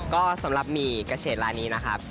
ก็สำหรับหมี่กาเชศร้านนี้นะครับ